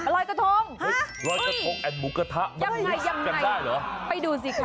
รอยกระทงฮะเฮ้ยยังไงยังไงไปดูสิคะ